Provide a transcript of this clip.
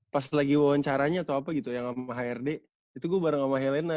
pas lagi wawancaranya atau apa gitu yang sama hrd itu gue bareng sama helena